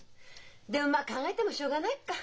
でもまあ考えてもしょうがないか。